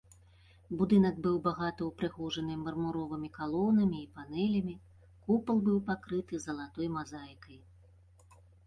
Будынак быў багата ўпрыгожаны мармуровымі калонамі і панэлямі, купал быў пакрыты залатой мазаікай.